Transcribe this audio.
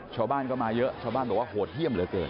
ชาวบ้านก็มาเยอะชาวบ้านบอกว่าโหดเยี่ยมเหลือเกิน